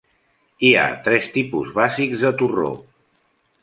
Hi ha tres tipus bàsics de torró.